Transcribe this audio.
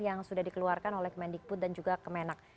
yang sudah dikeluarkan oleh kemendikbud dan juga kemenang